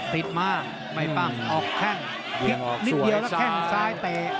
ปิดมาย